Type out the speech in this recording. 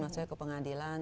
maksudnya ke pengadilan